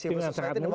dengan sangat mudah